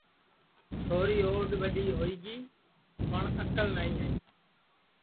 چھوری اُوڈؔ ٻڈؔی ہوئی گی پٹؔ اکل نائی آئی